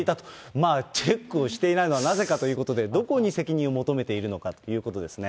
まあチェックをしていないのはなぜかということで、どこに責任を求めているのかっていうことですね。